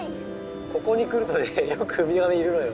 ここに来るとねよくウミガメいるのよ。